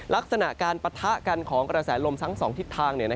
ลักษณะการปะทะกันของกระแสลมทั้ง๒ทิศทาง